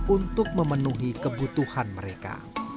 untuk memenuhi kebutuhan mereka